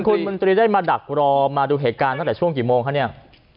คุณมนตรีได้มาดักรอมาดูเหตุการณ์ตั้งแต่ช่วงกี่โมงคะเนี่ย